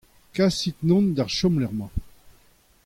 Kasit ac'hanon d'ar chomlec'h-mañ